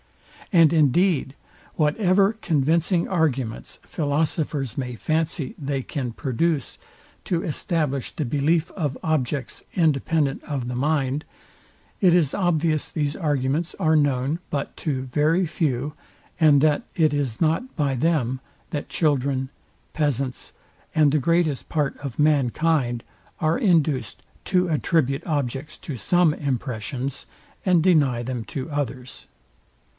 And indeed, whatever convincing arguments philosophers may fancy they can produce to establish the belief of objects independent of the mind, it is obvious these arguments are known but to very few, and that it is not by them, that children, peasants, and the greatest part of mankind are induced to attribute objects to some impressions, and deny them to others.